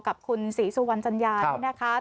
กับคุณศรีสจันยา